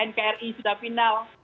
nkri sudah final